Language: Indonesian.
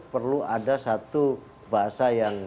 perlu ada satu bahasa